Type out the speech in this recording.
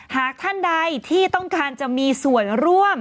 หากท่านใดที่ต้องการจะมีส่วนร่วม